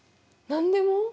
何でも？